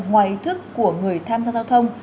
ngoài ý thức của người tham gia giao thông